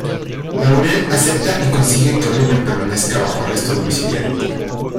Laurel acepta y consigue que Oliver permanezca bajo arresto domiciliario.